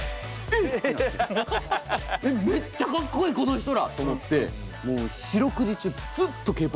「えっめっちゃかっこいいこの人ら！」と思ってもう四六時中ずっとＫー